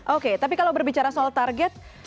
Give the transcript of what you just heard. oke tapi kalau berbicara soal target